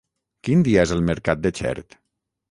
Quin dia és el mercat de Xert?